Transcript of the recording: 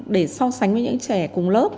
để so sánh với những trẻ cùng lớp